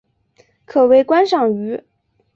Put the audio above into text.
可为观赏鱼。